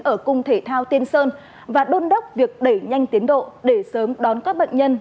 ở cung thể thao tiên sơn và đôn đốc việc đẩy nhanh tiến độ để sớm đón các bệnh nhân